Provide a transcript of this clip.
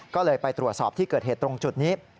ก็เลยไปตรวจสอบที่เกิดเหตุตรงจุดนี้